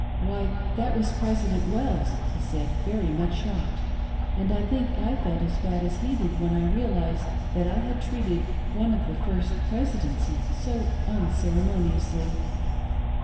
" Why, that was President Wells," he said, very much shocked, and I think I felt as bad as he did when I realised that I had treated one of the " First Presidency " so uncere moniously.